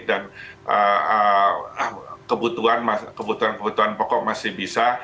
dan kebutuhan kebutuhan pokok masih bisa